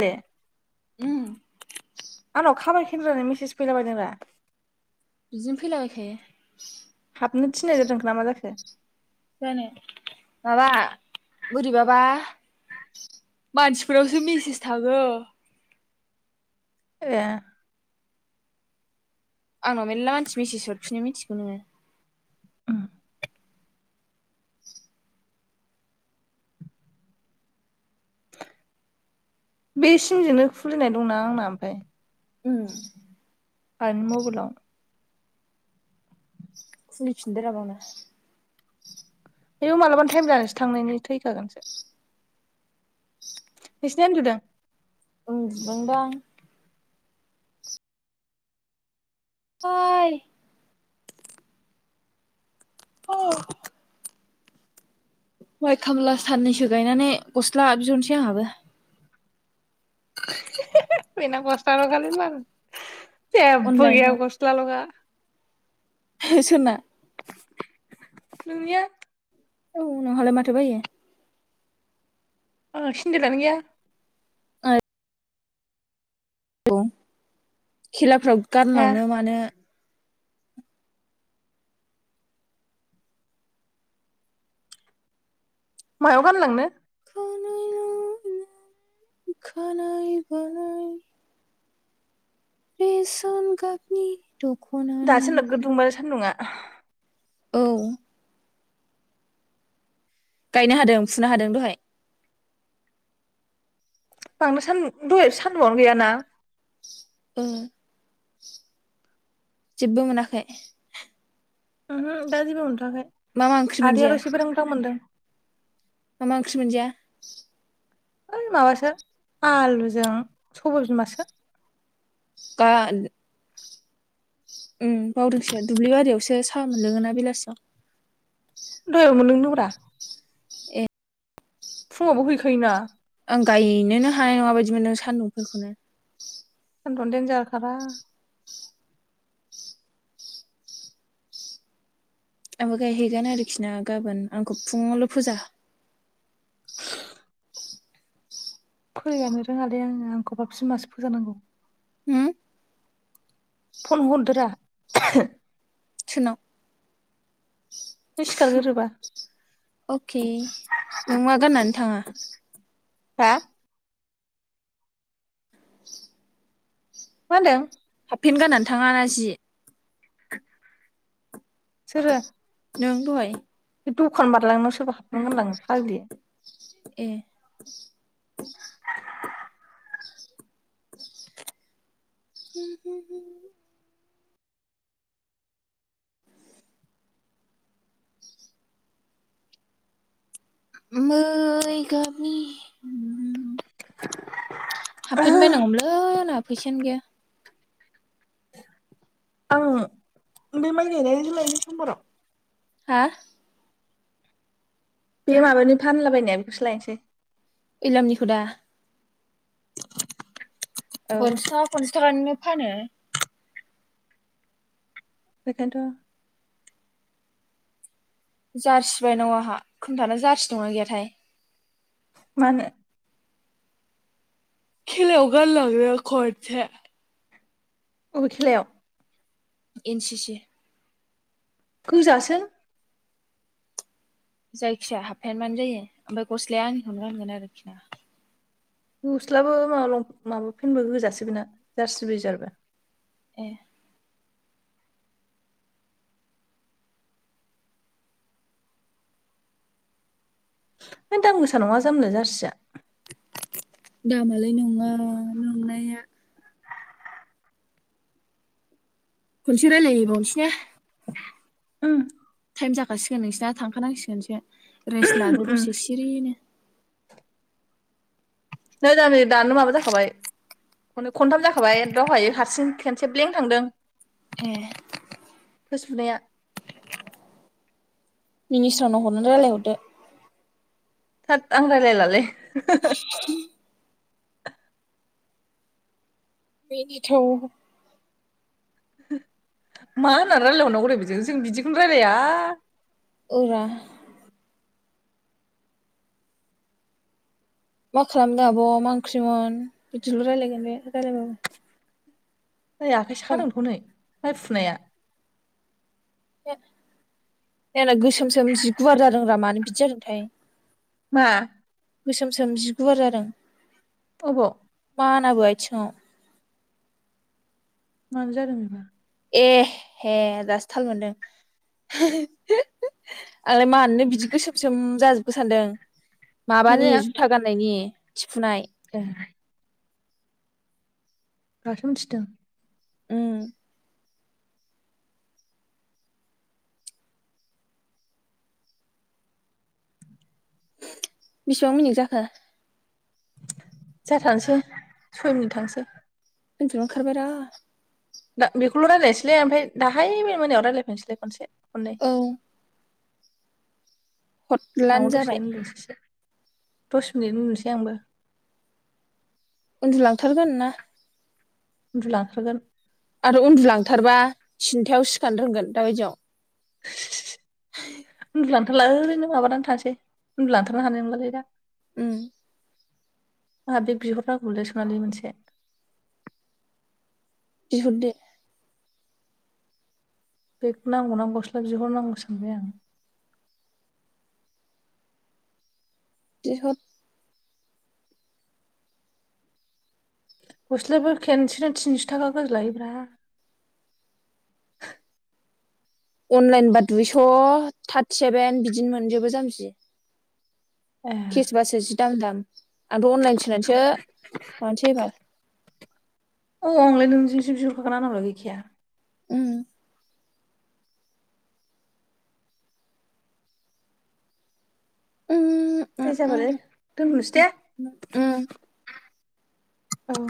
दे उम आंनाव खाबायखेग्रानि मेसेस फैलाबायदों रा। बिदिनो फैलाबायखायो। हाबनो थिनाय जादों ना मा जाखो। जानो माबा बोरैबाबा मानसिफोरनावसो मेसेस थांङो। ए। आंनाव मेर्ला मानसि मेसेसहरफिनो मिथिगौ नोंङो। बे सिम जोंनो खुलिनाय दंना आंना ओमफाय। उम। आइनि मबाइलाव। खुलिफिनदोरा बावनो। आयोव मालाबानो टाइम जानोसो थांनायनि थैखागोनसो। नोंसिनि आइया उन्दुदों? उन्दुदोंदां [unintelligible] औ माइ खामला साननैसो गायनानै गस्ला बिहरनोसै आंहाबो। बेना गस्लाल' खालि बाल जेबबो गैया अनलाइनाव गस्लाल'खा। फेस'ना नोंनिया औ नोंहालाय माथो बायो? आंहा सिन्देलानो गैया [unintelligible] खेलाफ्राव हा गानलांनो मानो मायाव गानलांनो? [unintelligible] बेसन गाबनि दख'ना नों दासो नोगोद दुंबायलै सान्दुंङा औ गायनो हादों फुनो हादों दहाय? बांद्राय सान्दुं दहाय सानदुंङानो गैयाना? ओ जेबबो मोनाखै? उमहु दा जेबो मोनथ'वाखै मा मा ओंख्रि मोनजाया आदैयाल' एसे ब्रां ब्रां मोनदों। मा मा ओंख्रि मोनजाया? ओइ माबासो आलुजों सबाय बिमासो। गा [unintelligible] उम बावदोंसो दुब्लि बारियावसो साहा मोनलोंङोना बेलासियाव। दहायबो मोनलोंदोंब्रा फुंङावबो हैखायोना आं गायनोनो हानाय नंङा बायदिमोनदों सान्दुंफोरखौनो। [unintelligible] आंबो गायहैगोन आरोखि ना गाबोन आंखौ फुंङावल' फोजा फोजानो रोङालै आङो आंखौबा बिमासो फोजानांगौ। होम फन हरदोरा सोरनाव नों सिखारगोरोबा अके नों मा गाननानै थाङो? हा? मा होन्दों? हाबफेन गानानै थाङाना जि? सोरो नों दहाय बे दखान बारलांनायाव सोरबा हाबफेन गोनलाङो फाग्लि। ए [inaudible] [inaudible] मै गाबनि हाबफेन बायनांगौमोनलै आंहा फैसायानो गैया। आं बे माइ गायनाय [unintelligible] समबाराव हा? बे माबानि फानलाबायनाया बेखौसो लायनोसै। इलामनिखौ दा औ पनसास पनसास थाखानि फानो बेखोयनोथ जारसि बायनांगौ आंहा खोन्थाना जारसि दंना गैयाथाय। मानो खेलायाव गानलांनो खनसे अबे खेलायाव? एन सि सि। गोजासो जायखिया हाबफेन बानो जायो गस्लाया आंनिखौनो गान गोन आरोखि ना। गस्लायाबो माबायाबो पेनाबो गोजासो बेना जारसि बादि ए है दाम गोसा नङा जामबिलाय जारसिया दामालाय नङा नंनाया खनसे रायलायहैबावनोसै ने उम टाइम जाखासिगोन नोंसिना थांखानांसिगोनसो रेस्ट लादो उम दसे सिरियैनो। नै जामबि दानो माबा जाखाबाय खनथाम जाखाबाय दहाय हारसिंनो खेनसे ब्लेें थांदों। ए होसुनाया मिनिसोरांनाव हरना रायलाय हरदो। थोद आं रायलायलालै। बेनोथ' मा होननानै रायलायहरनांगौ बेजों बिदिखौनो रायलाया। औरा। मा खालामदों आब' मा ओंख्रिमोन बिदिल रायलायगोन बे रायजलायबाबो। ओइ आखाइ सादोंथ नै माइ फुनाया। नै आंना गोसोमसोम जि गुवार जादों रा मानो बिदि जादोंथाय? मा? गोसोम सोम जिगुवार जादों। अबाव? मानाबो आइथिंआव। मानो जादों बिबा। ए हे दासो थाल मोनदों। आंलाय मानोनो बिदि गोसोम सोम जाजोबखो सानदों। मा माबानि जाया जुथा गाननायनि थिफुनाय। ए। दासो मिथिदों। उम्म। बेसेबां मिनिक जाखो। जाथारनोसै सय मिनिट थांसै। उन्दुनो ओंखार बायरा। दा बेखौल रायजलायनोसैलै ओमफ्राय दाहाय मोनायाव रायलायफैनोसैलाय खनसे खनै। ओं आंबो हरलानो दसे जाबाय ओन्दुनोसैसो दस मिनिट ओन्दुनोसै आंबो। उन्दुलांथारगोन ना उन्दुलांथारगोन। आरो उन्दुलांथारबा टिन्थायाव सिखारानो रोंगोन दा बायदियाव। उन्दु लांथारला ओरैनो माबानानै थानोसै उन्दु लांथारनो हानाय नंलालै दा। उम्म। आंहा बेग बिहर नांगौमोनलै सनालि मोनसे। बिहरदो। बेग नांगौना गस्ला बिहर नांगौसो सानबाय आं। बिहर। गस्लायाबो खेनसेनो थिनस' थाखा गोजो लायोब्रा। अनलाइनबा दुइस' थार्टि सेभेन बिदिनो मोनजोबो जाम्बि। ए केसबासो जि दाम दाम आंथ' अनलाइन सोनानैसो मानोसै एबार औ आंलाय नोंनिजोंसो बिहरखागोनना आंनावलाय गैखाया। उम्म। उम्म ओइ जाबाले दोनथ'नोसै दे औ।